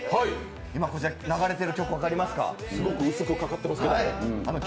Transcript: こちら、流れてる曲、分かりますか？